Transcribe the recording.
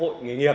hội nghề nghiệp